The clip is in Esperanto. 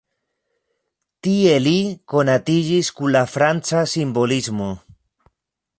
Tie li konatiĝis kun la franca simbolismo.